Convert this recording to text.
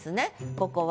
ここは。